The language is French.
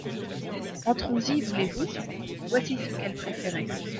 Entrons-y, voulez-vous ? Voici ceux qu'elle préférait.